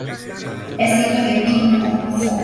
Es hijo de Kim Hyun-sook.